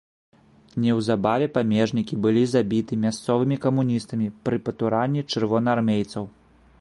Неўзабаве памежнікі былі забіты мясцовымі камуністамі пры патуранні чырвонаармейцаў.